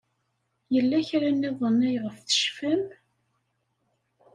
Yella kra niḍen ayɣef tecfam?